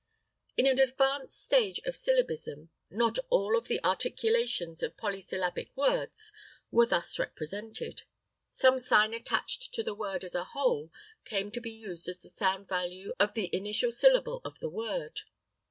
In an advanced stage of syllabism not all of the articulations of polysyllabic words were thus represented. Some sign attached to the word as a whole came to be used as the sound value of the initial syllable of the word.